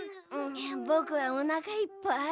ぼくはおなかいっぱい。